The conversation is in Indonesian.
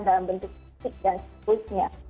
dalam bentuk fisik dan seterusnya